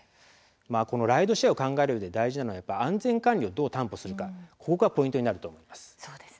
このライドシェアを考えるうえで大事なのは安全管理をどう担保するかここがポイントになると思います。